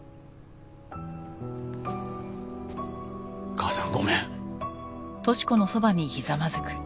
母さんごめん。